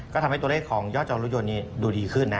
ก็ทำให้ตัวเลขของยอดจองรถยนต์นี้ดูดีขึ้นนะ